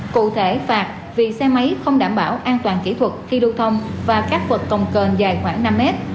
cụ thể phạt vì xe máy không đảm bảo an toàn kỹ thuật khi đu thông và các vật công cờn dài khoảng năm mét